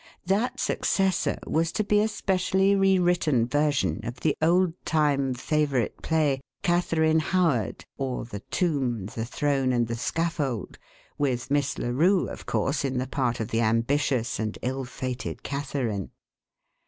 That successor was to be a specially rewritten version of the old time favourite play Catharine Howard; or, The Tomb, the Throne, and the Scaffold, with Miss Larue, of course, in the part of the ambitious and ill fated Catharine.